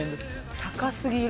高すぎる。